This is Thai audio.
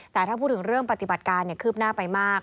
แต่ถ้าพูดถึงเรื่องปฏิบัติการคืบหน้าไปมาก